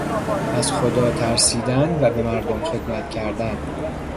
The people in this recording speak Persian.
از خدا ترسیدن و به مردم خدمت کردن